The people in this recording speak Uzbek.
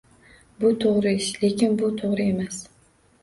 Bu to'g'ri ish, lekin bu to'g'ri emas